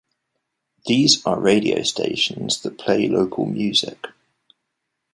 These are radio stations that play local music.